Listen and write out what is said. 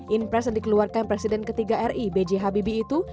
inpres yang dikeluarkan presiden ketiga ri bghbb itu